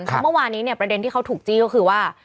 เพราะเมื่อวานี้เนี่ยประเด็นที่เขาถูกจี้ก็คือว่า